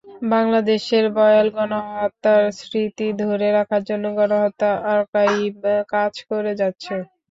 বাংলাদেশের ভয়াল গণহত্যার স্মৃতি ধরে রাখার জন্য গণহত্যা আর্কাইভ কাজ করে যাচ্ছে।